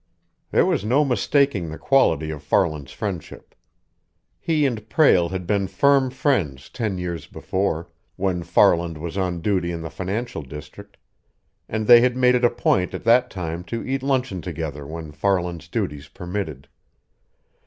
There was no mistaking the quality of Farland's friendship. He and Prale had been firm friends ten years before, when Farland was on duty in the financial district, and they had made it a point at that time to eat luncheon together when Farland's duties permitted.